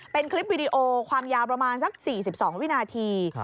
เป็นคลิปวิดีโอความยาวประมาณสัก๔๒วินาที